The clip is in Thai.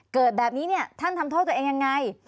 เกิดแบบนี้เนี่ยท่านทำโทษตัวเองยังไง